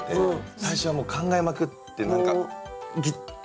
最初はもう考えまくって何かねえ？